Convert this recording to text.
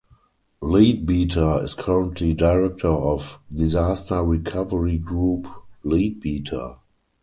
Leadbeater is currently director of "Disaster Recovery Group Leadbeater".